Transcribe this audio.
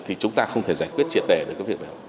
thì chúng ta không thể giải quyết triệt đề được cái việc đó